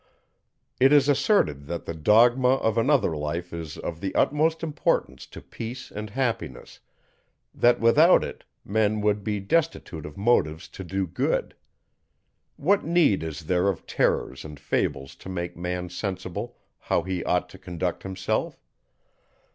It is asserted, that the dogma of another life is of the utmost importance to peace and happiness; that without it, men would be destitute of motives to do good. What need is there of terrors and fables to make man sensible how he ought to conduct himself?